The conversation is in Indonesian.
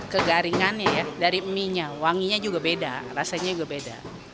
kegaringannya ya dari mie nya wanginya juga beda rasanya juga beda